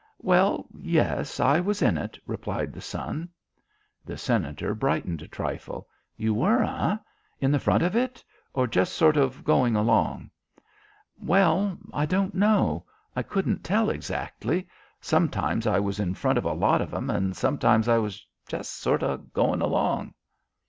"Well yes; I was in it," replied the son. The Senator brightened a trifle. "You were, eh? In the front of it? or just sort of going along?" "Well I don't know. I couldn't tell exactly. Sometimes I was in front of a lot of them, and sometimes I was just sort of going along."